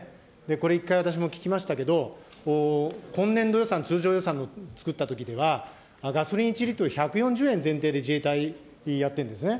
これ一回、私も聞きましたけれども、今年度予算、通常予算を作ったときには、ガソリン１リットル１４０円前提で自衛隊、やってるんですね。